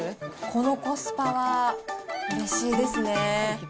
このコスパはうれしいですね。